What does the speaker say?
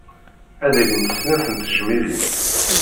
Ad d-ilint snat n tejmilin.